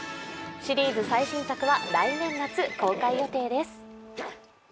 シリーズ最新作は来年夏公開予定です。